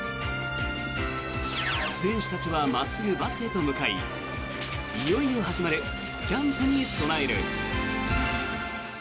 選手たちは真っすぐバスへと向かいいよいよ始まるキャンプに備える。